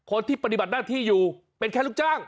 ปฏิบัติหน้าที่อยู่เป็นแค่ลูกจ้าง